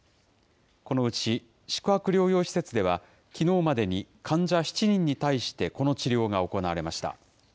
このうち宿泊療養施設では、きのうまでに患者７人に対してこの治療が行われました。